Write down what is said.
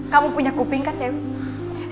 kamu punya kuping kan dewi